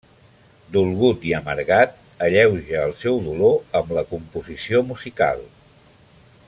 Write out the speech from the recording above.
Dolgut i amargat, alleuja el seu dolor amb la composició musical.